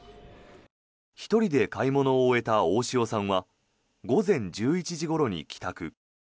１人で買い物を終えた大塩さんは午前１１時ごろに帰宅。